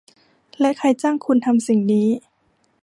และใครจ้างคุณทำสิ่งนี้